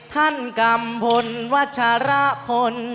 ท่านกำพลวัชรพล